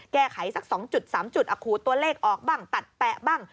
แก้ไขสัก๒๓จุดขูดตัวเลขออกบ้างตัดแปะบ้าง